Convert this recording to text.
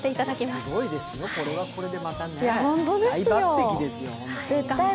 すごいですよ、これはこれでまた、大抜擢ですよ。